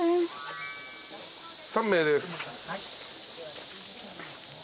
３名です。